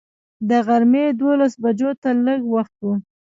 د غرمې دولس بجو ته لږ وخت و.